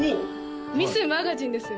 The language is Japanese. ミスマガジンですよ